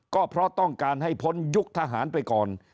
ก็เพราะต้องการให้พ้นยุคทหารไปก่อน